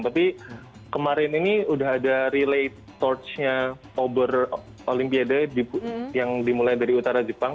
tapi kemarin ini udah ada relay torchnya over olimpiade yang dimulai dari utara jepang